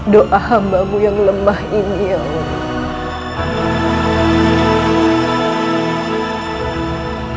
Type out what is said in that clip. doa hamba mu yang lemah ini ya allah